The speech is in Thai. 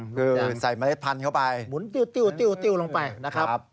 คือใส่เมล็ดพันธุ์เข้าไปหมุนติ้วติ้วลงไปนะครับ